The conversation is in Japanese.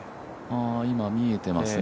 今、見えていますね。